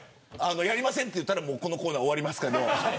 やりませんと言ったらこのコーナー終わりますから。